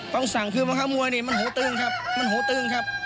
ต้องสั่งคือว่าน้ำมวยนี่มันโหตึงครับ